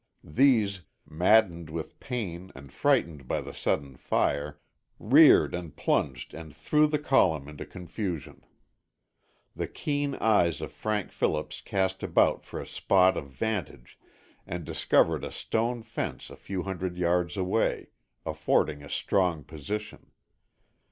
These, maddened with pain and frightened by the sudden fire, reared and plunged and threw the column into confusion. The keen eyes of Frank Phillips cast about for a spot of vantage and discovered a stone fence a few hundred yards away, affording a strong position.